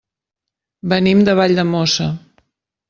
Venim de Valldemossa.